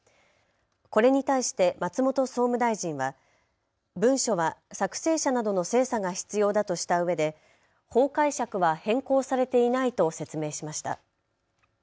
これに対して松本総務大臣は文書は作成者などの精査が必要だとしたうえで法解釈は変更されていないと説明しました。